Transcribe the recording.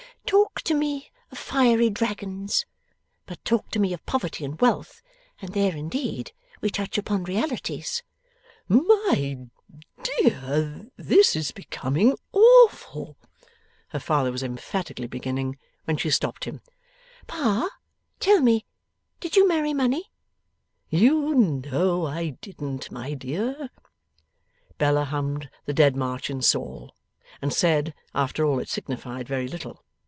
'Talk to me of fiery dragons! But talk to me of poverty and wealth, and there indeed we touch upon realities.' 'My De ar, this is becoming Awful ' her father was emphatically beginning: when she stopped him. 'Pa, tell me. Did you marry money?' 'You know I didn't, my dear.' Bella hummed the Dead March in Saul, and said, after all it signified very little!